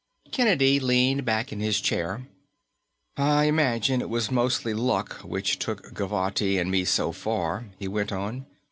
Kennedy leaned back in his chair. "I imagine it was mostly luck which took Gavotti and me so far," he went on.